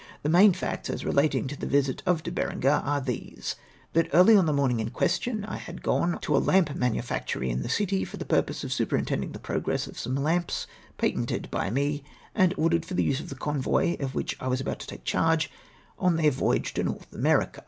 The main facts, as relating to the visit of De Berenger, are these. That early on the morning in qnestion I had gone to a lamp mannfactory in the city, for the pnrposc of superintending the progress of some lamps patented by me, and ordered for the use of the convoy of which I was about to take charge on their voyage to North America.